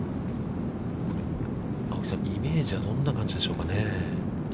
青木さん、イメージはどんな感じでしょうかね。